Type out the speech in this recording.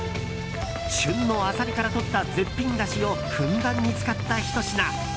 旬のアサリからとった絶品だしをふんだんに使ったひと品。